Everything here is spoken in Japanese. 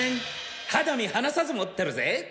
肌身離さず持ってるぜ！